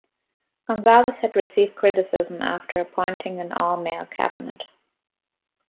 Gonzales had received criticism after appointing and all male Cabinet.